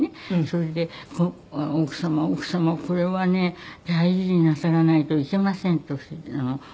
それで「奥様奥様これはね大事になさらないといけません」と按摩さんがおっしゃったの。